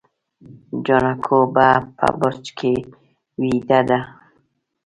جانکو به په برج کې ويدېده.